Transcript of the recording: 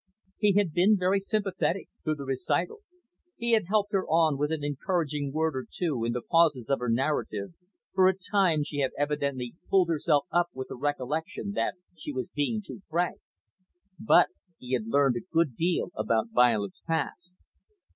He had been very sympathetic through the recital. He had helped her on with an encouraging word or two in the pauses of her narrative, for at times she had evidently pulled herself up with the recollection that she was being too frank. But he had learned a good deal about Violet's past.